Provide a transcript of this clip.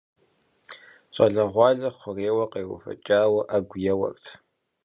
ЩӀалэгъуалэр хъурейуэ къеувэкӀауэ Ӏэгу еуэрт.